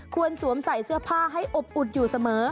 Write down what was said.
สวมใส่เสื้อผ้าให้อบอุ่นอยู่เสมอ